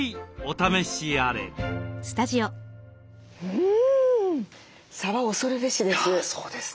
うんさば恐るべしです。